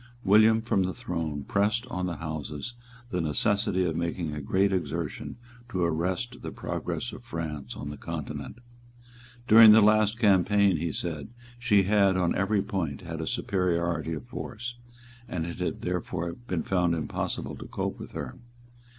William from the throne pressed on the Houses the necessity of making a great exertion to arrest the progress of France on the Continent. During the last campaign, he said, she had, on every point, had a superiority of force; and it had therefore been found impossible to cope with her.